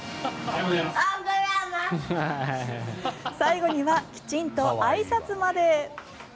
最後にはきちんとあいさつまで。